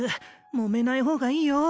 もめない方がいいよ。